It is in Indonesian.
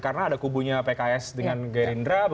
karena ada kubunya pks dengan gerindra